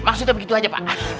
maksudnya begitu saja pak